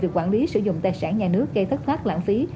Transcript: về quản lý sử dụng tài sản nhà nước gây thất thoát lãng phí